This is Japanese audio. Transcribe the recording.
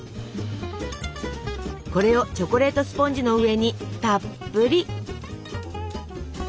これをチョコレートスポンジの上にたっぷり。